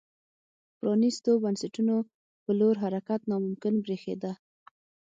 پرانیستو بنسټونو په لور حرکت ناممکن برېښېده.